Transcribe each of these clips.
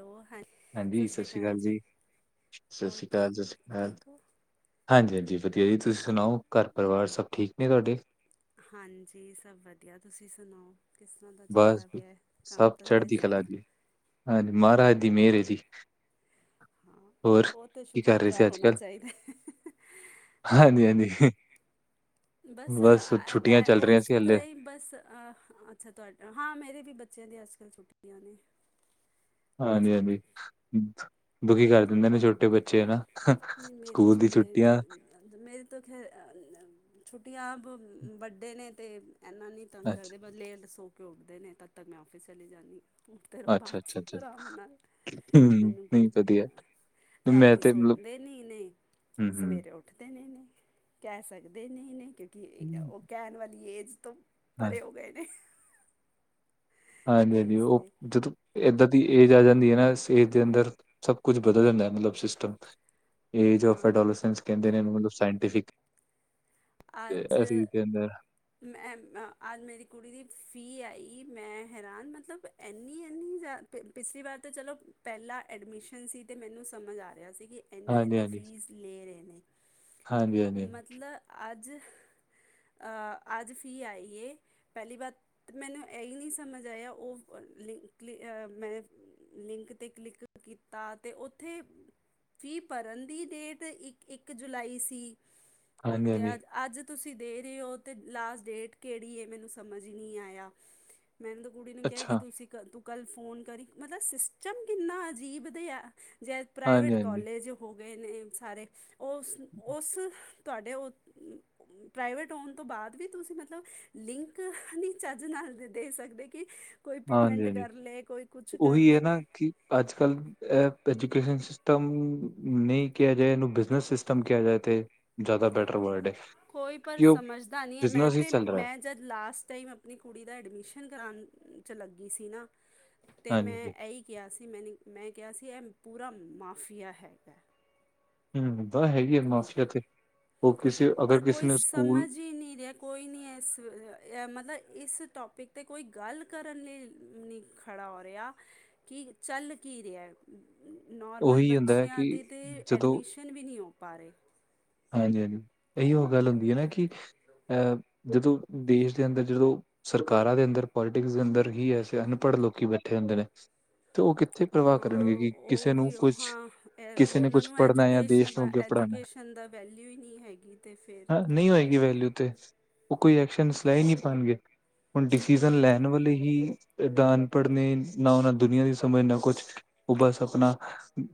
Hello ਹਾਂਜੀ। ਹਾਂਜੀ, ਸਤਿ ਸ਼੍ਰੀ ਅਕਾਲ ਜੀ, ਸਤਿ ਹੋਰ ਸ਼੍ਰੀ ਅਕਾਲ- ਸਤਿ ਸ਼੍ਰੀ ਠੀਕ ਅਕਾਲ। ਠੀਕ ਹੋ ਹਾਂਜੀ-ਹਾਂਜੀ, ਵਧੀਆ ਜੀ ਤੁਸੀਂ ਸੁਣਾਓ ਘਰ- ਪਰਿਵਾਰ ਸਭ ਠੀਕ ਨੇ ਤੁਹਾਡੇ? ਹਾਂਜੀ, ਸਭ ਵਧੀਆ ਤੁਸੀਂ ਸੁਣਾਓ? ਕਿਸ ਤਰ੍ਹਾਂ ਦਾ ਬਸ ਚੱਲਦਾ ਜੀ, ਪਿਆ ਕੰਮ ਸਭ ਧੰਦੇ ਚੜ੍ਹਦੀ ਕਲਾ ਸਭ? ਜੀ ਹਾਂਜੀ, ਮਹਾਰਾਜ ਦੀ ਮੇਹਰ ਹੈ ਜੀ। ਹਾਂ, ਹੋਰ ਉਹ ਤੇ ਕੀ ਕਰ ਰਹੇ ਸੀ ਸ਼ੁਕਰਗੁਜ਼ਾਰ ਹੋਣਾ ਚਾਹੀਦਾ। ਹਾਂਜੀ-ਹਾਂਜੀ। ਬਸ ਬੈਂ ਚੱਲ ਉਸ ਰਹੀਆਂ ਸੀ ਹਲੇ ਤਰ੍ਹਾਂ ਹੀ ਬਸ ਅੱਛਾ, ਤੁਹਾਡਾ ਹਾਂ ਮੇਰੇ ਵੀ ਬੱਚਿਆਂ ਦੀ ਅੱਜ-ਕੱਲ੍ਹ ਛੁੱਟੀ ਆ ਨੇ। ਕੱਲ੍ਹ ਹਾਂਜੀ-ਹਾਂਜੀ, ਦੁਖੀ ਕਰ ਦਿੰਦੇ ਨੇ ਛੋਟੇ ਬੱਚੇ ਹੈਨਾ। ਹਾ, ਸਕੂਲ ਦੀ ਛੁੱਟੀਆਂ ਮੇਰੀ ਤੋਂ ਖੈਰ ਛੁੱਟੀਆਂ ਆਪ ਵੱਡੇ ਨੇ ਅਤੇ ਇੰਨਾ ਨਹੀਂ ਤੰਗ ਅੱਛਾ, ਕਰਦੇ ਪਰ ਲੇਟ ਸੋ ਕੇ ਉੱਡਦੇ ਨੇ ਤਦ ਤੱਕ ਮੈਂ ਆਫਿਸ ਚਲੀ ਜਾਂਦੀ ਹ। ਤੇਰ ਬਾਅਦ ਅੱਛਾ, 'ਚ ਅੱਛਾ, ਅੱਛਾ ਆਰਾਮ ਨਾਲ ਹੂੰ ਮੈਨੂੰ ਕੋਈ ਨਹੀਂ ਵਧੀਆ ਮੈਂ ਰਾਤੀ ਤੇ ਸੌ ਮਤਲਬ ਦੇ ਨਹੀਂ ਇ ਹੂੰ, ਸਵੇਰੇ ਉੱਠਦੇ ਨੇ ਕਹਿ ਸਕਦੇ ਨਹੀਂ ਇਉਂਿ ਠੀਕ ਹੈ ਹੂੰ ਉਹ ਕਹਿਣ ਵਾਲੀ ਏਜ ਤੋਂ ਹਾਂ ਪਰੇ ਹੋ ਗਏ ਨੇ। ਤੇ ਹਾਂਜੀ-ਹਾਂਜੀ ਇਸ ਉਹ ਲਈ ਜਦੋਂ ਇੱਦਾਂ ਦੀ ਏਜ ਆ ਜਾਂਦੀ ਹੈ ਨਾ ਇਸ ਏਜ ਦੇ ਅੰਦਰ ਸਭ ਕੁੱਝ ਬਦਲ ਜਾਂਦਾ ਮਤਲਬ ਸਿਸਟਮ। ਏਜ ਔਫ ਹਾਂ ਡੋੋਲਿਸੈਂਸ ਕਹਿੰਦੇ ਨੇ ਮਤਲਬ ਸਾਇੰਟੀਫਿਕ। ਅੱਜ ਦੇ ਅੰਦਰ ਮੈਂ ਅੱਜ ਮੇਰੀ ਕੁੜੀ ਦੀ ਫੀ ਆਈ ਮੈਂ ਹੈਰਾਨ ਮਤਲਬ ਇੰਨੀ-ਇੰਨੀ ਜ਼ਿਆ ਪਿਛਲੀ ਵਾਰ ਤਾਂ ਚਲੋ ਪਹਿਲਾਂ ਐਡਮਿਸ਼ਨ ਸੀ ਤੇ ਮੈਨੂੰ ਸਮਝ ਆ ਰਿਹਾ ਸੀ ਕਿ ਹਾਂਜੀ ਇਨੀ-ਇੰਨੀ ਹਾਂਜੀ ਫੀਸ ਲੈ ਰਹੇ ਨੇ ਹਾਂਜੀ ਹਾਂਜੀ ਹਾਂਜੀ ਮਤਲਬ ਅੱਜ ਅੱਜ ਫੀ ਆਈਏ। ਪਹਿਲੀ ਬਾਤ, ਮੈਨੂੰ ਐ ਈ ਨੀ ਸਮਝ ਆਇਆ, ਉਹ ਅ ਲੀ ਮੈਂ ਲਿੰਕ ਤੇ ਕਲਿੱਕ ਕੀਤਾ ਤੇ ਉੱਥੇ ਫੀ ਭਰਨ ਦੀ ਡੇਟ, ਇੱਕ-ਇੱਕ ਜੁਲਾਈ ਸੀ ਤੇ ਹਾਂਜੀ ਅੱਜ-ਅੱਜ ਤੁਸੀਂ ਦੇ ਰੇ ਓ ਤੇ ਲਾਸਟ ਡੇਟ ਕਿਹੜੀ ਏ, ਮੈਨੂੰ ਸਮਝ ਨਹੀਂ ਆਇਆ ਮੈਨੂੰ ਤਾ ਕੁੜੀ ਨੂੰ ਕਿਹਾ ਕੀ ਅੱਛਾ ਤੁਸੀਂ ਹੁਣ ਤੂੰ ਕੱਲ੍ਹ ਫੋਨ ਕਰੀ, ਮਤਲਬ ਸਿਸਟਮ ਕਿੰਨਾ ਅਜੀਬ ਦੇਆ, ਜੇ ਹਾਂਜੀ ਪ੍ਰਾਈਵੇਟ ਹਾਂਜੀ ਕੋਲਜ ਹੋ ਗਏ ਨੇ ਸਾਰੇ, ਉਸ-ਉਸ ਤੁਹਾਡੇ ਉ ਹਮ। ਪ੍ਰਾਈਵੇਟ ਹੋਣ ਤੋਂ ਬਾਅਦ ਵੀ ਤੁਸੀਂ ਮਤਲਬ, ਲਿੰਕ-ਲਿੰਕ ਚੱਜ ਨਾਲ ਦੇ ਸਕਦੇ ਕਿ ਕੋਈ ਹਾਂਜੀ ਪੇਮੈਂਟ ਹਾਂਜੀ ਕਰ ਲੇ, ਕੋਈ ਕੁਛ ਕਰ ਲੇ ਅੱਜ-ਕੱਲ੍ਹ ਅਹ ਐਜੂਕੇਸ਼ਨ ਸਿਸਟਮ ਨਹੀਂ ਕਿਹਾ ਜਾਏ, ਇਹਨੂੰ ਬਿਜਨਸ ਸਿਸਟਮ ਕਿਹਾ ਜਾਏ ਤੇ ਜ਼ਿਆਦਾ ਬੈਟਰ ਵਰਲਡ ਐ, ਕੋਈ ਪਰ ਕਿਉਂ ਸਮਝਦਾ ਨਹੀਂ ਹੈ ਮੈਂ ਬਿਜਨਸ ਈ ਤੇ ਚੱਲ ਰਿਐ। ਮੈਂ ਜਦ ਲਾਸਟ ਟਾਈਮ ਆਪਣੀ ਕੁੜੀ ਦਾ ਐਡਮਿਸ਼ਨ ਕਰਾਣ 'ਚ ਲੱਗੀ ਸੀ ਨਾ ਤੇ ਹਾਂਜੀ ਮੈਂ ਜੀ ਇਹੀ ਕਿਹਾ ਸੀ, ਮੈਨ ਮੈਂ ਕਿਹਾ ਸੀ ਇਹ ਪੂਰਾ ਮਾਫੀਆ ਹੈਗਾ ਹਮ ਤਾ ਹੈਗੀ ਐ ਮਾਫੀਆ ਤੇ ਉਹ ਕਿਸੇ ਅਗਰ ਪਰ ਕਿਸੇ ਕੋਈ ਨੇ ਸਕੂਲ ਸਮਝ ਹੀ ਨਹੀਂ ਰਿਹਾ ਕੋਈ ਨਹੀਂ ਏਸ ਅਹ ਮਤਲਬ ਇਸ ਟੋਪਿਕ ਤੇ ਕੋਈ ਗੱਲ ਕਰਨ ਲਈ ਨੀ ਖੜਾ ਹੋ ਰਿਆ, ਕਿ ਚੱਲ ਕੀ ਰਿਆ ਨੋਰਮਲ ਉਹੀ ਹੁੰਦਾ ਹੈ ਕਿ ਬੱਚਿਆਂ ਦੀ ਤੇ ਐਡਮਿਸ਼ਨ ਵੀ ਨਹੀਂ ਹੋ ਪਾ ਰਹੇ। ਹਾਂਜੀ-ਹਾਂਜੀ ਇਹੀ ਉਹ ਗੱਲ ਹੁੰਦੀ ਏ ਨਾ ਕਿ ਅਹ ਜਦੋਂ ਦੇਸ਼ ਦੇ ਅੰਦਰ ਜਦੋਂ, ਸਰਕਾਰਾਂ ਦੇ ਅੰਦਰ, ਪੋਲੀਟਿਕਸ ਦੇ ਅੰਦਰ ਹੀ ਐਸੇ ਅਨ ਪੜ ਲੋਕੀ ਬੈਠੇ ਹੁੰਦੇ ਨੇ ਤੇ ਉਹ ਕਿੱਥੇ ਪ੍ਰਵਾਹ ਕਰਨਗੇ ਕੀ ਹਾਂ ਉਹ ਵੀ ਉਹ ਹਾਂ, ਉਹਨਾਂ ਨੂੰ ਪੜ੍ਹਨਾ ਹੈ ਜਾਂ ਦੇਸ਼ ਨੂੰ ਅੱਗੇ ਪੜ੍ਹਾਉਣਾ ਐਜੂਕੇਸ਼ਨ-ਐਜੂਕੇਸ਼ਨ ਦਾ ਵੈਲਿਊ ਈ ਨੀ ਹੈਗੀ। ਤੇ ਫਿਰ ਨਹੀਂ ਹੋਏਗੀ ਵੈਲਿਊ ਤੇ ਉਹ ਕੋਈ ਐਕਸ਼ਨਜ ਲੈ ਈ ਨੀ ਪਾਣਗੇ, ਹੁਣ ਹਾਂ ਡਿਸੀਜ਼ਨ ਤਾਂ ਲੈਣ ਵਾਲੇ ਹੀ ਏਦਾਂ ਅਨਪੜ੍ਹ ਨੇ, ਨਾ ਉਹਨਾਂ ਦੁਨੀਆਂ ਦੀ ਸਮਝ ਨਾ ਕੁਛ, ਉਹ ਬਸ ਅ ਆਪਣਾ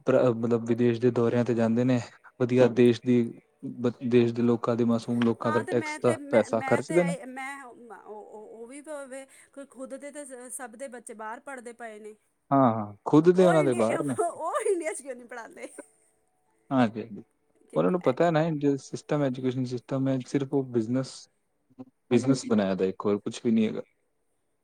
ਪ੍ ਮਤਲਬ ਵਿਦੇਸ਼ ਦੇ ਦੌਰਿਆਂ ਤੇ ਜਾਂਦੇ ਨੇ, ਵਧੀਆ ਦੇਸ਼ ਦੀ ਬੱ, ਦੇਸ਼ ਦੇ ਲੋਕਾਂ ਦੇ, ਮਾਸੂਮ ਲੋਕਾਂ ਹਾਂ ਦਾ ਤੇ ਮੈਂ ਟੈਕਸ ਤੇ ਦਾ ਮੈਂ ਪੈਸਾ ਮੈਂ ਤੇ ਖਰਚਦੇ ਨੇ। ਮੈਂ ਹਮ। ਉ-ਉ ਉਹ ਵੀ ਤਾ ਵੇ, ਖੁਦ ਦੇ ਤੇ ਸ ਸਭ ਦੇ ਬੱਚੇ ਬਾਰ ਪੜ੍ਹਦੇ ਪਏ ਨੇ। ਹਾਂ ਹਾਂ ਖੁਦ ਦੇ ਉਹ ਉਹਨਾਂ ਦੇ ਇੰਡੀਆ, ਬਾਹਰ ਨੇ ਉਹ ਇੰਡੀਆ, ਚ ਕਿਉਂ ਨੀ ਪੜ੍ਹਾਦੇ। ਹਾਂਜੀ-ਹਾਂਜੀ ਉਹਨਾਂ ਨੂੰ ਪਤਾ ਐ ਪੜ੍ਹਾਉਂਦੇ ਨਾ, ਜੋ ਸਿਸਟਮ ਏ ਐਜੂਕੇਸ਼ਨ ਸਿਸਟਮ ਐ, ਸਿਰਫ ਉਹ ਬਿਜਨਸ ਬਿਜਨਸ ਬਣਾਇਆ ਦਾ ਇੱਕ, ਹੋਰ ਕੁਛ ਵੀ ਨੀ ਹੈਗਾ,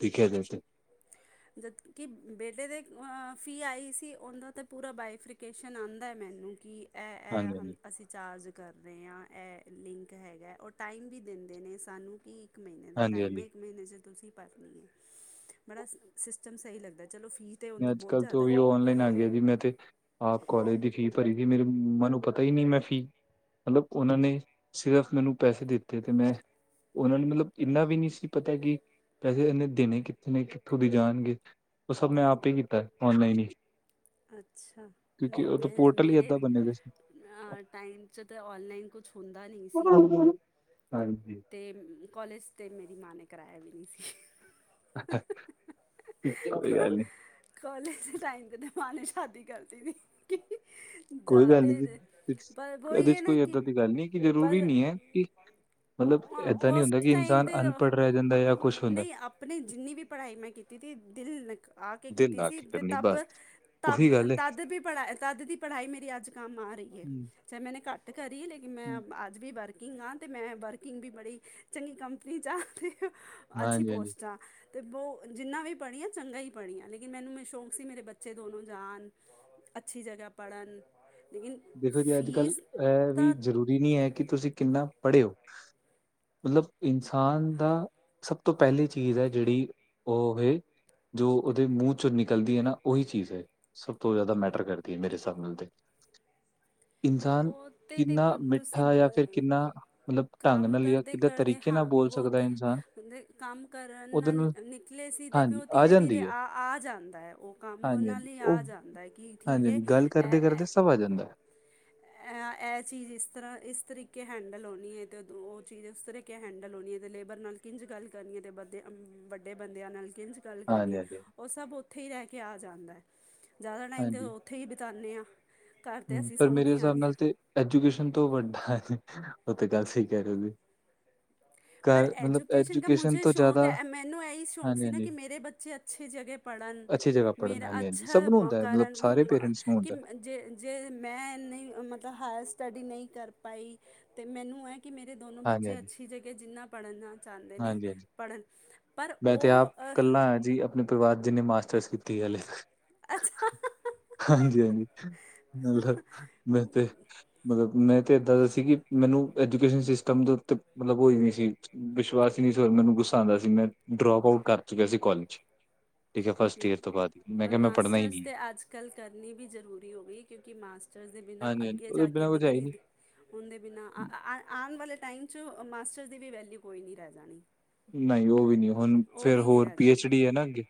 ਦੇਖਿਆ ਜਾਏ ਤੇ। [inaudible] ਜਦ ਕਿ ਬੇਟੇ ਦੇ ਅ ਫੀ ਆਈ ਸੀ, ਉਹਦਾ ਤਾਂ ਪੂਰਾ ਬਾਈਫ੍ਰਕੇਸ਼ਨ ਆਂਦਾ ਮੈਨੂੰ ਕਿ ਐ-ਐ ਹਾਂਜੀ ਹਮ ਹਾਂਜੀ ਅਸੀਂ ਚਾਰਜ ਕਰ ਰਹੇ ਆ, ਐਹ ਲਿੰਕ ਹੈਗਾ, ਉਹ ਟਾਈਮ ਵੀ ਦਿੰਦੇ ਨੇ ਸਾਨੂੰ ਕਿ ਨਹੀ ਇਹਦਾ ਹਾਂਜੀ ਟਾਈਮ ਈ ਹਾਂਜੀ ਇਕ ਮਹੀਨੇ ਸੀ, ਤੁਸੀਂ ਭਰਨੀ ਏ। ਬੜਾ ਸਿ ਸਿਸਟਮ ਸਹੀ ਲਗਦਾ, ਚਲੋ ਫੀ ਤਾਂ ਮੈਂ ਉਹਦੀ ਬਹੁਤ ਅੱਜ-ਕੱਲ੍ਹ ਤੇ ਓ ਜ਼ਿਆਦਾ ਵੀ ਹੈ। ਔਨਲਾਈਨ ਆ ਗਿਆ ਜੀ, ਮੈਂ ਤੇ ਆਪ ਕਾਲਜ ਦੀ ਫੀ ਭਰੀ ਸੀ, ਮੇਰੀ ਮੰਮਾ ਨੂੰ ਪਤਾ ਈ ਨਹੀਂ ਮੈਂ ਫੀ ਮਤਲਬ ਉਹਨਾਂ ਨੇ ਸਿਰਫ਼ ਮੈਨੂੰ ਪੈਸੇ ਦਿੱਤੇ ਤੇ ਮੈਂ ਉਹਨਾਂ ਨੂੰ ਮਤਲਬ ਇੰਨਾ ਵੀ ਨਹੀਂ ਸੀ ਪਤਾ ਕਿ, ਪੈਸੇ ਇਹਨੇ ਦੇਣੇ ਕਿੱਥੇ ਨੇ, ਕਿੱਥੋਂ ਦੀ ਜਾਣਗੇ। ਉਹ ਸਭ ਮੈਂ ਆਪ ਈ ਕੀਤਾ, ਔਨਲਾਈਨ ਹੀ। ਅੱਛਾ, ਕਿਉਂਕਿ ਨਈ ਉਹ ਤਾਂ ਮੈਂ ਪੋਰਟਲ ਹੀ ਮੇਰੇ ਏਦਾਂ ਬਣੇ ਦੇ ਸੀ। ਅ ਟਾਈਮ 'ਚ ਤਾਂ ਔਨਲਾਈਨ ਕੁ ਛ ਹੁੰਦਾ ਨੀ। ਹਾਂਜੀ। ਤੇ ਕੌਲੇਜ 'ਤੇ ਮੇਰੀ ਮਾਂ ਨੇ ਕਰਾਇਆ ਵੀ ਨੀ ਸੀ। [unintelligible] ਕੋਈ ਗੱਲ ਨੀ। ਕੌਲੇਜ ਦੇ ਟਾਈਮ ਤੇ ਤਾਂ ਮਾਂ ਨੇ ਸ਼ਾਦੀ ਕਰਤੀ ਥੀ। ਕੋਈ ਗੱਲ ਨੀ ਜਾਤੇ ਜੀ ਥੇ ਪਰ ਵੋ ਈ ਇਹਦੇ ਹੈ ਚ ਨਾ ਕੋਈ ਕਿ ਏਦਾਂ ਦੀ ਗੱਲ ਨੀ ਕਿ ਜ਼ਰੂਰੀ ਪਰ ਨੀ ਹੈ ਕਿ ਮਤਲਬ [unintelligible] ਏਦਾਂ ਨੀ ਓਸ ਹੁੰਦਾ ਕਿ ਟਾਈਮ ਇਨਸਾਨ ਦੇ ਅਨਪੜ੍ਹ ਰਹਿ ਜਾਂਦਾ ਜਾਂ ਕੁਛ ਹੁੰਦਾ ਨਹੀਂ ਅਪ ਅਪਨੀ ਜਿੰਨੀ ਵੀ ਪੜ੍ਹਾਈ ਮੈਂ ਕੀਤੀ ਤੀ ਦਿਲ ਲਗਾ ਕੇ ਦਿਲ ਕੀਤੀ ਲਾ ਸੀ ਕੇ ਤੇ ਕਰਨੀ ਤਬ ਬਸ ਤਬ ਉਹੀ ਗੱਲ ਏ। ਤਦ ਵੀ, ਤਦ ਦੀ ਪੜ੍ਹਾਈ ਮੇਰੀ ਅੱਜ ਕੰਮ ਆ ਰਹੀ ਏ। ਹੂੰ, ਚਾਹੇ ਮੈਨੇ ਘੱਟ ਕਰੀ ਲੇਕਿਨ ਮੈਂ ਹੂੰ। ਅ ਅੱਜ ਵੀ ਵਰਕਿੰਗ ਆ ਤੇ ਮੈਂ ਵਰਕਿੰਗ ਵੀ ਬੜੀ ਚੰਗੀ ਕੰਪਨੀ 'ਚ ਆ ਤੇ ਅੱਛੀ ਹਾਂਜੀ-ਹਾਂਜੀ, ਪੋਸਟ 'ਚ ਆ ਤੇ ਵੋ ਜਿੰਨਾ ਵੀ ਪੜ੍ਹੀ ਆਂ ਚੰਗਾ ਈ ਪੜ੍ਹੀ ਆਂ ਲੇਕਿਨ ਮੈਨੂੰ ਮੈਂ ਸ਼ੌਕ ਸੀ ਮੇਰੇ ਬੱਚੇ ਦੋਨੋਂ ਜਾਨ ਅੱਛੀ ਜਗ੍ਹਾ। ਪੜ੍ਹਨ ਲੇਕਨ ਫੀਸ ਤਾਂ ਏ ਨੀ ਐ ਕਿ ਤੁਸੀਂ ਕਿੰਨਾ ਪੜ੍ਹੇ ਓ। ਮਤਲਬ ਇਨਸਾਨ ਦਾ, ਸਭ ਤੋਂ ਪਹਿਲੀ ਚੀਜ਼ ਐ ਜੇੜੀ ਓ ਐ ਜੋ ਓਦੇ ਮੂੰਹ ਚੋਂ ਨਿਕਲਦੀ ਏ ਨਾ ਓਈ ਚੀਜ਼ ਹੈ ਸਭ ਤੋਂ ਜਾਦਾ ਮੈਟਰ ਕਰਦੀ ਏ ਮੇਰੇ ਹਿਸਾਬ ਨਾਲ ਤੇ। ਇਨਸਾਨ ਓਤੇ ਕਿੰਨਾ ਦੇਖੋ ਤੁਸੀਂ ਮਿੱਠਾ ਜਾਂ ਫਿਰ ਅ ਕਿੰਨਾ ਮਤਲਬ ਢੰਗ ਕੱਮ ਕਰ ਨਾਲ ਜਾਂ ਕਰਦੇ ਕਿੱਦਾਂ ਕਰਦੇ ਤਰੀਕੇ ਹਾਂ ਨਾਲ ਬੋਲ ਵੋ ਸਕਦਾ ਹੈ ਤੇ ਇਨਸਾਨ ਕਾਮ ਕਰਨ ਨਾਲ ਨਿਕਲੇ ਸੀ ਤੇ ਫਿਰ ਹਾਂਜੀ ਓ ਧੀਰੇ ਧੀਰੇ ਜਾਂਦੀ ਹੈ। ਆ ਆ ਜਾਂਦਾ ਐ ਓ ਕੰਮ ਹਾਂਜੀ-ਹਾਂਜੀ, ਨਾਲੇ ਆ ਉਹ ਜਾਂਦਾ ਕਿ ਠੀਕ ਏ, ਹਾਂਜੀ-ਹਾਂਜੀ ਗੱਲ ਐ ਕਰਦੇ-ਕਰਦੇ ਸਭ ਆ ਜਾਂਦਾ। ਅ ਐ ਚੀਜ਼ ਇਸ ਤਰ੍ਹਾਂ ਇਸ ਤਰੀਕੇ ਹੈਂਡਲ ਹੋਣੀ ਏ ਤੇ ਓ ਚੀਜ਼ ਓਸ ਤਰ੍ਹੀ ਕੇ ਹੈਂਡਲ ਹੋਣੀ ਐ ਤੇ ਲੇਬਰ ਨਾਲ ਕਿੰਝ ਗੱਲ ਕਰਨੀ ਏ ਤੇ ਬੱਦੇ ਵੱਡੇ ਬੰਦਿਆਂ ਨਾਲ ਕਿੰਝ ਗੱਲ ਕਰਨੀ ਐ ਹਾਂਜੀ-ਹਾਂਜੀ, ਹਾਂਜੀ। ਓ ਸਭ ਓਥੇ ਈ ਰਹਿ ਕੇ ਆ ਜਾਂਦਾ ਜਾਦਾ ਹਾਂਜੀ ਟਾਈਮ ਦੇ ਹਾਂਜੀ ਓ ਥੇ ਈ ਬਿਤਾਨੇ ਆਂ। ਹੂੰ, ਪਰ ਮੇਰੇ ਹਿਸਾਬ ਨਾਲ ਤੇ ਐਜੂਕੇਸ਼ਨ ਤੋਂ ਵੱਡਾ ਹਾਂਜੀ ਓ ਤੇ ਗੱਲ ਸਈ ਕਹਿ ਰਹੇ ਓ ਜੀ। ਪਰ ਘਰ ਮਤਲਬ ਐਜੂਕੇਸ਼ਨ ਕਾ ਮੁਜੇ ਤੋਂ ਸ਼ੌਕ ਜ਼ਿਆਦਾ ਹੈ, ਮੈਨੂੰ ਇਹੀ ਸ਼ੌਕ ਸੀ ਨਾ ਹਾਂਜੀ-ਹਾਂਜੀ, ਕਿ ਮੇਰੇ ਬੱਚੇ ਅੱ ਛੀ ਜਗ੍ਹੇ ਪੜ੍ਹਨ, ਅੱਛੀ ਜਗ੍ਹਾ ਪੜ੍ਹਨ ਮੇਰਾ ਹਾਂਜੀ-ਹਾਂਜੀ, ਅੱਛਾ ਸਭ ਨੂੰ ਹੁੰਦਾ ਹੈ ਮਤਲਬ ਕਰਨ ਸਾਰੇ [unintelligible] ਪੇਰੈਂਟਸ ਨੂੰ ਕੀ ਹੁੰਦਾ। ਜੇ ਜੇ ਮੈਂ ਏਨੀ ਮਤਲਬ ਹਾਇਰ ਸਟੱਡੀ ਨਈ ਕਰ ਪਾਈ ਤੇ ਮੈਨੂੰ ਐ ਕਿ ਮੇਰੇ ਦੋਨੋ ਬੱਚੇ ਹਾਂਜੀ-ਹਾਂਜੀ, ਅੱਛੀ ਜਗ੍ਹਾ ਜਿੰਨਾ ਪੜ੍ਹਨਾ ਚਾਂਦੇ ਨੇ ਹਾਂਜੀ-ਹਾਂਜੀ, ਪੜ੍ਹਨ ਪਰ ਓ ਅਪਨੇ ਪਰਿਵਾਰ ਜਿੰਨੇ ਮਾਸਟਰਸ ਕੀਤੀ ਹਲੇ। ਅੱਛਾ। ਹਾਂਜੀ-ਹਾਂਜੀ, ਮਤਲਬ ਮੈਂ ਤੇ ਮਤਲਬ ਮੈਂ ਤੇ ਏਦਾਂ ਦਾ ਸੀ ਕਿ ਮੈਨੂੰ ਐਜੂਕੇਸ਼ਨ ਸਿਸਟਮ ਦੇ ਉੱਤੇ ਮਤਲਬ ਓ ਈ ਨਈ ਸੀ ਵਿਸ਼ ਵਾਸ ਈ ਨਈ ਸੀ ਔਰ ਮੈਨੂੰ ਗੁੱਸਾ ਆਂਦਾ ਸੀ ਮੈਂ ਡ੍ਰੌਪ ਆਊਟ ਕਰ ਚੁੱਕਿਆ ਸੀ ਕੋਲਜ। ਫ਼ਸਟ ਈਅਰ ਤੋਂ ਬਾਦ। ਪਰ ਮਾਸਟਰਸ ਤੇ ਅੱਜ-ਕੱਲ੍ਹ ਕਰਨੀ ਵੀ ਜ਼ਰੂਰੀ ਹੋ ਗੀ ਕਿਉਂਕਿ ਮਾਸਟਰਸ ਦੇ ਬਿਨਾਂ ਹਾਂਜੀ-ਹਾਂਜੀ ਅੱਗੇ ਉਹਦੇ ਜਾ ਕੇ ਬਿਨਾਂ ਕੁਝ ਹੈ ਹੀ ਡਿਗਰੀ ਨਹੀਂ। ਉਂਦੇ ਬਿਨਾਂ [unintelligible] ਆਨ ਵਾਲੇ ਟਾਈਮ 'ਚ ਮਾਸਟਰ ਦੀ ਵੀ ਵੈਲਿਊ ਕੋਈ ਨੀ ਰਹ ਜਾਣੀ। ਨਈ ਓ ਵੀ ਨਈ ਓ ਹੁਨ ਉਹ ਫੇਰ ਵੀ ਨਹੀਂ ਹੋਰ ਰਹਿ ਪੀ ਜਾਣੀ ਐਚ ਡੀ ਏ ਨਾ ਅੱਗੇ,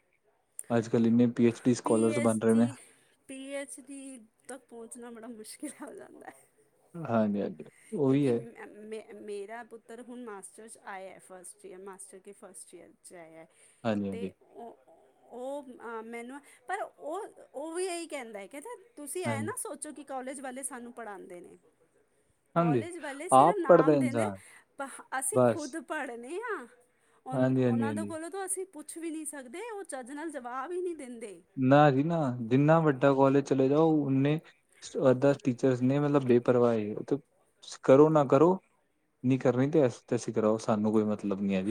ਅੱਜ-ਕੱਲ ਏਨੇ P H D scholars H ਬਨ ਰਹੇ ਨੇ। ਡੀ ਪੀ ਐੱਚ ਡੀ ਤੱਕ ਪਹੁੰਚਨਾ ਬੜਾ ਮੁਸ਼ਕਿਲ ਹੋ ਜਾਂਦਾ ਐ। ਹਾਂਜੀ-ਹਾਂਜੀ। ਉਹੀ ਕਿਉਂਕਿ ਹੈ ਮੇ ਮੇਰਾ ਪੁੱਤਰ ਹੁਣ ਮਾਸਟਰ 'ਚ ਆਇਆ ਫਸਟ ਈਅਰ ਮਾਸਟਰ ਦੀ ਫਸਟ ਈਅਰ ਚਾ ਆਇਆ ਤੇ ਹਾਂਜੀ-ਹਾਂਜੀ, ਓ ਓ ਮੈਨੂੰ ਪਰ ਉਹ ਉਹ ਵੀ ਇਹੀ ਕਹਿੰਦਾ ਐ ਕਹਿੰਦੇ ਤੁਸੀਂ ਹਾਂਜੀ, ਐਂ ਹਾਂਜੀ ਨਾ ਸੋ ਚੋ ਕਿ ਕੋਲਜ ਵਾਲੇ ਸਾਨੂੰ ਪੜ੍ਹਾਂਦੇ ਨੇ ਹਾਂਜੀ ਕੋਲੇਜ ਵਾਲੇ ਸਿਰਫ ਆਪ ਪੜ੍ਹਦਾ ਨਾਮ ਦੇ ਨੇ ਇਨਸਾਨ ਅਸੀਂ ਬਸ ਖੁਦ ਪੜ੍ਹਨੇ ਆ ਉਹ ਉਹਨਾਂ ਦੇ ਹਾਂਜੀ-ਹਾਂਜੀ-ਹਾਂਜੀ ਕੋਲੋਂ ਤਾਂ ਅਸੀਂ ਪੁੱਛ ਵੀ ਨੀ ਸਕਦੇ ਉਹ ਚੱਜ ਨਾਲ ਜਵਾਬ ਈ ਨੀ ਦਿੰਦੇ। ਨਾ ਜੀ ਨਾ ਜਿੰਨਾ ਵੱਡਾ ਕੋਲਜ ਚਲੇ ਜਾਓ ਓਨੇ [unintelligible] ਟੀਚਰਸ ਨੇ ਮਤਲਬ ਬੇਪਰਵਾਹ ਏ। ਕਰੋ ਨਾ ਕਰੋ ਨਹੀਂ ਕਰਨੀ ਤੇ ਅਸੀਂ ਤਤੈਸੀ ਕਰਾਓ ਸਾਨੂੰ ਕੋਈ ਮਤ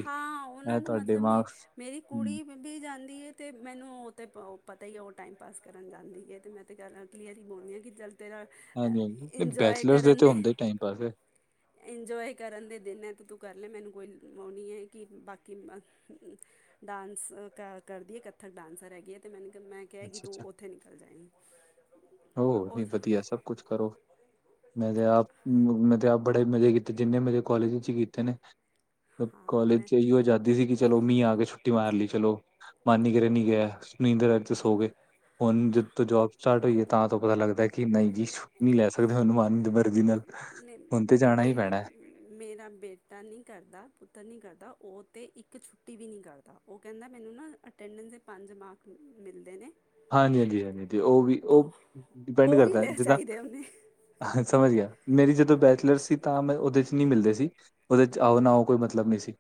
ਹਾਂ ਉਹਨਾਂ ਨੂੰ ਮਤਲਬ ਨੀ ਐ ਮੇਰੀ ਹੂੰ ਕੁੜੀ ਵੀ ਜਾਂਦੀ ਐ ਤੇ ਮੈਨੂੰ ਉਹ ਤੇ ਪਤਾ ਈ ਉਹ ਟਾਈਮ ਪਾਸ ਕਰਨ ਜਾਂਦੀ ਐ ਤੇ ਮੈਂ ਤੇ [unintelligible] ਕਲੀਅਰ ਹੀ ਬੋਲਦੀ ਆ ਕਿ ਚੱਲ ਤੇਰਾ ਹਾਂਜੀ ਹਾਂਜੀ ਇੰਜੋਏ ਬੈਚਲਰਸ ਦੇ ਕਰਨ ਤੇ ਹੁੰਦੇ ਈ ਟਾਈਮ ਪਾਸ। ਇੰਜੋਏ ਕਰਨ ਦੇ ਦਿਨ ਐ ਤੇ ਤੂੰ ਕਰ ਲੈ ਮੈਨੂੰ ਕੋਈ ਓ ਨੀ ਐ ਕਿ ਬਾਕੀ ਡਾਂਸ ਕ ਕਰਦੀ ਐ ਕੱਥਕ ਡਾਂਸਰ ਹੈਗੀ ਐ ਤੇ ਮੈਨੂੰ ਕਿ ਮੈਂ ਕਿਹਾ ਕਿ ਤੂੰ ਅੱਛਾ-ਅੱਛਾ ਉੱਥੇ ਨਿਕਲ ਜਾਏਗੀ। ਓ ਉਹ ਨਹੀਂ ਵਧੀਆ ਸਭ ਕੁਛ ਕਰੋ। ਮੈਂ ਤੇ ਆਪ ਮੈਂ ਤੇ ਆਪ ਬੜੇ ਮਜ਼ੇ ਕੀਤੇ ਜਿੰਨੇ ਮਜ਼ੇ ਕਾਲਜ ਵਿੱਚ ਕੀਤੇ ਨੇ। ਹਾਂ ਕਾਲਜ ਮੈਂ ਚ ਇਹੀਓ ਆਜਾਦੀ ਸੀ ਕਿ ਚਲੋ ਮੀਂਹ ਆ ਗਿਆ ਛੁੱਟੀ ਮਾਰ ਲਈ ਚਲੋ ਮਨ ਨੀ ਕਰਿਆ ਨੀ ਗਿਆ ਨੀਂਦਰ ਆਈ ਤੇ ਸੋ ਗਏ। ਹੁਣ ਜਦ ਤੋਂ ਜੋਬ ਸਟਾਰਟ ਹੋਈ ਹੈ ਤਾਂ ਤੋਂ ਪਤਾ ਲੱਗਦਾ ਕਿ ਨਹੀਂ ਜੀ ਛੁੱਟੀ ਨੀ ਲੈ ਸਕਦੇ ਥੋਨੂੰ ਮਨ ਦੀ ਮਰਜ਼ੀ ਨਾਲ। ਹੁਣ ਤੇ ਜਾਣਾ ਬੇ ਹੀ ਪੈਣਾ। ਮੇਰਾ ਬੇਟਾ ਨੀ ਕਰਦਾ ਪੁੱਤਰ ਨੀ ਕਰਦਾ ਓ ਤੇ ਇੱਕ ਛੁੱਟੀ ਵੀ ਨੀ ਕਰਦਾ। ਤਾਂ ਉਹ ਕਹਿੰਦਾ ਮੈਨੂੰ ਨਾ ਅਟੈਂਡੈਂਸ ਦੇ ਪੰਜ ਮਾਰਕ ਮਿਲਦੇ ਨੇ। ਹਾਂਜੀ ਹਾਂਜੀ ਹਾਂਜੀ ਓ ਵੀ ਓ ਤੋ ਡਿਪੈਂਡ ਉਹ ਵੀ ਕਰਦਾ ਲੈ ਜਿੱਦਾਂ ਚਾਹੀਦੇ ਉਹਨੇ ਹਾਂ, ਸਮਝ ਗਿਆ ਮੇਰੀ ਜਦੋਂ ਬੈਚਲਰ ਸੀ ਤਾਂ ਮੈਂ ਉਹਦੇ ਚ ਨੀ ਮਿਲਦੇ ਸੀ। ਉਹਦੇ ਚ ਆਓ ਨਾ ਆਓ ਕੋਈ ਮਤਲਬ ਨੀ ਸੀ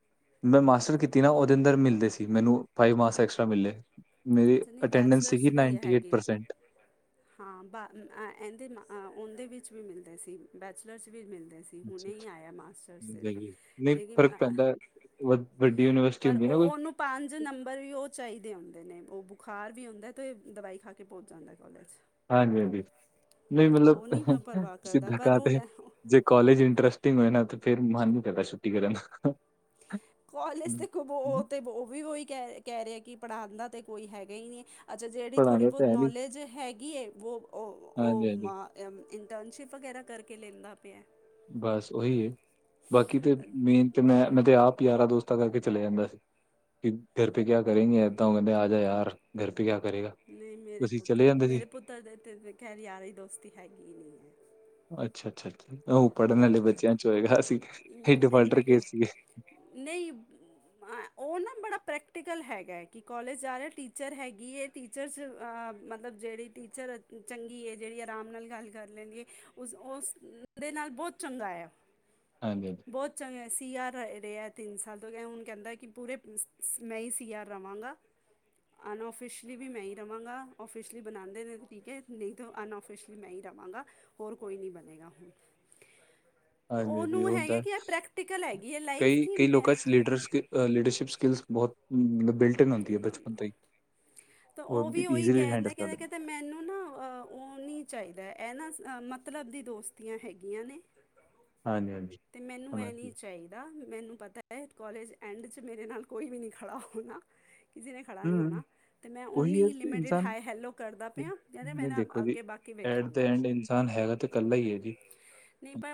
ਮੈਂ ਮਾਸਟਰ ਕੀਤੀ ਨਾ ਉਹਦੇ ਅੰਦਰ ਮਿਲਦੇ ਸੀ ਮੈਨੂੰ ਫਾਈਵ ਮਾ ਐਕਸਟ੍ਰਰਾ ਮਿਲੇ ਮੇਰੀ ਅੱਛਾ ਨਹੀਂ ਅਟੈਂਡੈਂਸ ਬੈਚਲਰਸ ਸੀਗੀ ਵੀ ਹੈਗੀ। ਹਾਂ ਬਾ ਇਹਦੇ ਉਹਦੇ ਵਿੱਚ ਵੀ ਮਿਲਦੇ ਸੀ ਬੈਚਲਰ ਚ ਵੀ ਮਿਲਦੇ ਸੀ। ਅੱਛਾ ਹੁਣੇ ਠੀਕ ਹੀ ਆਇਆ ਮਾਸਟਰਸ ਹੈ 'ਤੇ ਜੀ ਨਹੀਂ ਲੇਕਿਨ ਫ਼ਰਕ ਪੈਂਦਾ ਹੈ, ਵ ਵੱਡੀ ਯੂਨੀਵਰ ਪਰ ਓ ਓਨੂੰ। ਪੰਜ ਨੰਬਰ ਵੀ ਓ ਚਾਈਦੇ ਹੁੰਦੇ ਨੇ ਓ ਬੁਖਾਰ ਵੀ ਹੁੰਦਾ ਤੇ ਦਵਾਈ ਖਾ ਕੇ ਭੁੱਲ ਜਾਂਦਾ। ਕੋਲਜ। ਹਾਂਜੀ ਹਾਂਜੀ ਨਈ ਮਤਲਬ ਉਹ ਨਹੀਂ ਮੈਂ ਪਰਵਾਹ ਕਰਦਾ ਪਰ ਉਹ ਕਹਿ [unintelligible] ਕੋਲਜ ਇੰਟਰਸਟਿੰਗ ਹੋਏ ਨਾ ਤੇ ਫੇਰ ਮਨ ਨੀ ਕਰਦਾ ਛੁੱਟੀ ਕਰਨ ਦਾ। ਕੋਲਜ ਤੇ ਕਵੋ ਤੇ ਓ ਵੀ ਓਹੀ ਕਹਿ ਰਹੇ। ਕੈ ਰਿਆ ਕੀ ਪੜ੍ਹਾਂਦਾ ਤੇ ਕੋਈ ਹੈਗਾ ਈ ਨੀ ਆ। ਅੱਛਾ ਜਿਹੜੀ ਥੋੜ੍ਹੀ ਪੜ੍ਹਾਉਣਾ ਬੋਤ ਤਾਂ ਹੈ ਨਹੀਂ ਨੌਲੇਜ ਹੈਗੀ ਏ ਵੋ ਓ ਓ ਹਾਂਜੀ ਹਾਂਜੀ ਮ ਇੰਟਰਨਸ਼ਿਪ ਵਗੈਰਾ ਕਰਕੇ ਲੈਂਦਾ ਪਿਆ। ਬਸ ਓਈ ਏ। ਬਾਕੀ ਤੇ ਮੇਨ ਤੇ ਮੈਂ ਮੈਂ ਤੇ ਆਪ ਯਾਰਾਂ ਦੋਸਤਾਂ ਸੰਤਾਂ ਕਰਕੇ ਚਲੇ ਜਾਂਦਾ ਸੀ। ਕੀ ਘਰ ਪੇ ਕਿਆ ਕਰੇਗੇ ਏਦਾਂ ਓ ਕੇਂਦੇ ਆ ਜਾ ਯਾਰ। ਘਰ ਪੈ ਕਿਆ ਕਰੇਗਾ? ਅਸੀਂ ਚਲੇ ਜਾਂਦੇ ਸੀ। ਤਦੇ ਤੇ ਵੇ ਖੈਰ ਯਾਰੀ ਦੋਸਤੀ ਹੈਗੀ ਨੀ ਐ। ਅੱਛਾ ਅੱਛਾ ਅੱਛ। ਓ ਪੜ੍ਹਨ ਵਾਲੇ ਬੱਚਿਆਂ ਚ ਹੋਏਗਾ। ਅਸੀਂ ਏ ਡਿਫਾਲਟਰ ਕੇਸ ਸੀ। ਨਈ ਓ ਨਾ ਬੜਾ ਪ੍ਰੈਕਟੀਕਲ ਹੈਗਾ ਕਿ ਕੋਲਜ ਜਾ ਰਿਆ ਟੀਚਰ ਹੈਗੀ ਏ ਟੀਚਰਸ ਅ ਮਤਲਬ ਜੇੜੀ ਟੀਚਰ ਚੰਗੀ ਏ। ਜੇੜੀ ਆਰਾਮ ਨਾਲ ਗੱਲ ਕਰ ਲੈਂਦੀ ਏ ਉਸ ਓਸ ਓਦੇ ਨਾਲ ਬੋਤ ਚੰਗਾ ਆ। ਹਾਂਜੀ। ਬੋਤ ਚੰਗਾ ਸੀ ਆਰ ਰ ਰਿਆ ਤਿੰਨ ਸਾਲ ਤੋਂ ਹੁਣ ਕੈਂਦਾ ਕੀ ਪੂਰੇ ਮੈਂ ਈ ਸੀ ਆਰ ਰਵਾਂਗਾ। ਅਨਓਫੀਸ਼ਲੀ ਵੀ ਮੈਂ ਈ ਰਵਾਂਗਾ। ਓਫੀਸ਼ਲੀ ਬਣਾਂਦੇ ਨੇ ਤੇ ਟੀਕੇ ਨਈ ਤਾਂ ਅਨਆਓਫਿਸ਼ਲੀ ਕਿ ਮੈਂ ਈ ਰਵਾਂਗਾ। ਹੋਰ ਕੋਈ ਨੀ ਬਣੇਗਾ ਹੁਣ ਹਾਂਜੀ ਹਾਂਜੀ ਉਹਨੂੰ ਹੈਗਾ ਹੁੰਦਾ। ਕਿ ਇਹ ਪ੍ਰੈਕਟੀਕਲ ਹੈਗੀ ਹੈ ਲਾਈਫ ‌ਕਈ, ਕਿ ਕਈ ਮੈਂ ਲੋਕਾਂ ਚ ਲੀਡਰਸ ਸਕੀ ਅ ਲੀਡਰਸ਼ਿਪ ਸਕਿਲਸ ਬੋਹਤ ਆਂ ਮ [unintelligible] ਤੇ ਓ ਉਹ ਵੀ ਓਵੀ ਈਜ਼ੀਲੀ ਹੈਂਡਲ ਕੈਂਦਾ, ਕਰ ਕੈਂਦਾ ਲੈਂਦੇ ਕੈਂਦਾ ਹੈ। ਮੈਨੂੰ ਨਾ ਅ ਓ ਨੀ ਚਾਈਦਾ ਐ ਨਾ ਮਤਲਬ ਦੀ ਦੋਸਤੀਆਂ ਹੈਗੀਆਂ ਨੇ। ਹਾਂਜੀ ਹਾਂਜੀ। ਤੇ ਮੈਨੂੰ ਐ ਸਮਝ ਨੀ ਗਈ ਚਾਈ ਦਾ। ਮੈਨੂੰ ਪਤਾ ਐ ਕੋਲਜ ਐਂਡ ਚ ਮੇਰੇ ਨਾਲ ਕੋਈ ਵੀ ਨੀ ਖੜਾ ਹੋਣਾ। ਕਿਸੇ ਨੇ ਖੜ੍ਹਾ ਨੀ ਹੂੰ ਹੋਣਾ। ਤੇ ਮੈਂ ਉਹੀ ਹੈ ਓਨੀ ਕਿ ਲਿਮਿਟਿਡ ਇਨਸਾਨ ਹਾਏ ਹੈਲੋ ਕਰਦਾ ਪਿਆ। ਜਿਦੇ ਮੈਂ ਨਹੀਂ ਨਾ ਦੇਖੋ ਜੀ ਅੱਗੇ ਬਾਕੀ ਐਟ ਦਾ ਵੇਖਾਂਗਾ ਐਂਡ ਇਨਸਾਨ ਹੈਗਾ ਤੇ ਕੱਲਾ ਐ ਜੀ। ਨਈ ਪਰ ਓ